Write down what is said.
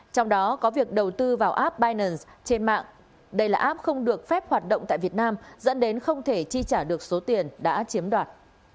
trong đó có việc đầu tư vào appynaons trên mạng đây là app không được phép hoạt động tại việt nam dẫn đến không thể chi trả được số tiền đã chiếm đoạt